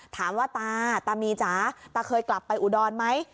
ถามว่าตาตามีจ๋าตาเคยกลับไปอุดรไหม